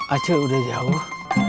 acil udah jauh